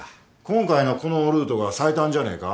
今回のこのルートが最短じゃねえか？